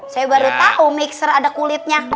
saya baru tahu mixer ada kulitnya